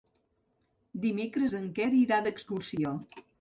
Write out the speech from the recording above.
Dimecres en Quer irà d'excursió.